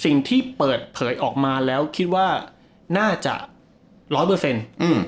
สิ่งที่เปิดเผยออกมาแล้วคิดว่าน่าจะร้อยเปอร์เซ็นต์อืม